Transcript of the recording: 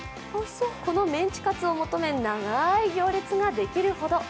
このメンチカツを求め長い行列ができるほど。